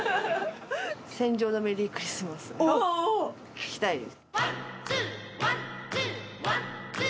聴きたいです。